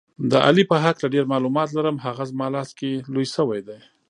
د علي په هکله ډېر معلومات لرم، هغه زما لاس کې لوی شوی دی.